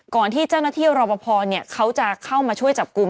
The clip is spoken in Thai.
ก่อนที่เจ้าหน้าที่รอปภเขาจะเข้ามาช่วยจับกลุ่ม